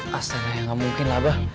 hah astaga ya gak mungkin lah abah